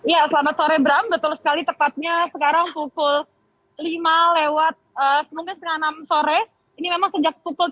ya selamat sore bram betul sekali tepatnya sekarang pukul lima lewat mungkin setengah enam sore